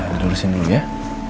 kamu tau yang public school ini ga ada